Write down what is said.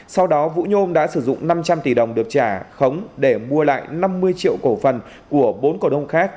sau đó vũ nhôm đã sử dụng năm trăm linh tỷ đồng được trả khống để mua lại năm mươi triệu cổ phần của bốn cổ đông khác